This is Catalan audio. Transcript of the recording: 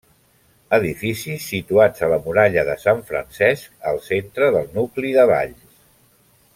Edificis situats a la muralla de Sant Francesc, al centre del nucli de Valls.